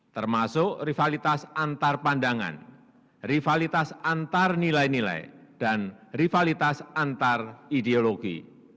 termasuk rivalitas antar pandangan rivalitas antar nilai nilai dan rivalitas antar ideologi